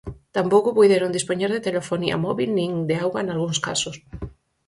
Tampouco puideron dispoñer de telefonía móbil nin de auga nalgúns casos.